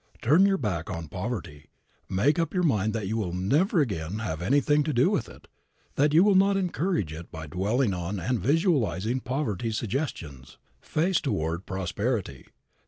Turn your back on poverty. Make up your mind that you will never again have anything to do with it, that you will not encourage it by dwelling on and visualizing poverty suggestions. Face toward prosperity.